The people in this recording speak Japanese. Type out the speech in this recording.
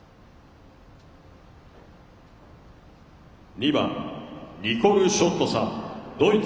２番ニコル・ショットさん、ドイツ。